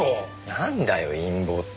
なんだよ陰謀って。